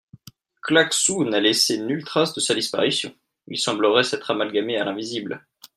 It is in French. Claquesous n'a laissé nulle trace de sa disparition ; il semblerait s'être amalgamé à l'invisible.